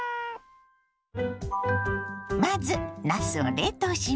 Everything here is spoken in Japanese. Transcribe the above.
まずなすを冷凍します。